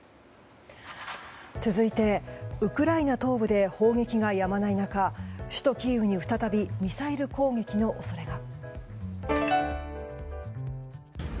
続いて、ウクライナ東部で砲撃がやまない中首都キーウに再びミサイル攻撃の恐れが。